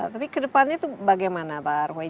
tapi ke depannya itu bagaimana pak arhawi